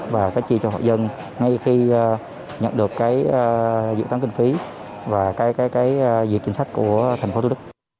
và phải chia cho họ dân ngay khi nhận được dự tán kinh phí và việc chính sách của thành phố thủ đức